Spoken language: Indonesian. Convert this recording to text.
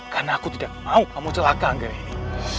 karena aku tidak mau kamu celaka angga ini